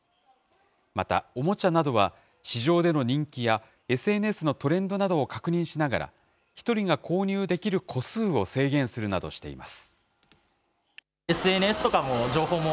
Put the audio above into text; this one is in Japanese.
またおもちゃなどは、市場での人気や、ＳＮＳのトレンドなどを確認しながら、１人が購入できる個数を制限するなどしています。